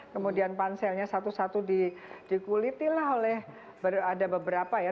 kemudian panselnya satu satu dikuliti lah oleh ada beberapa ya